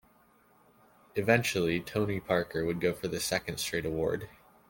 Eventually, Tony Parker would go for the second straight award.